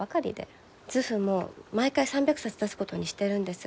図譜も毎回３００冊出すことにしてるんです。